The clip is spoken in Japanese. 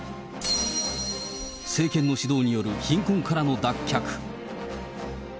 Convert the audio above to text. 政権の指導による貧困からの脱却。